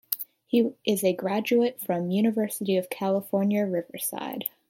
He is a graduate from University of California Riverside.